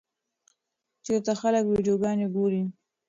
چېرته خلک ویډیوګانې ګوري؟